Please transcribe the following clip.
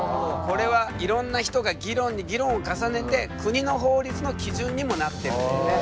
これはいろんな人が議論に議論を重ねて国の法律の基準にもなってるんだよね。